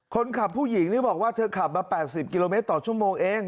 ผู้หญิงนี่บอกว่าเธอขับมา๘๐กิโลเมตรต่อชั่วโมงเอง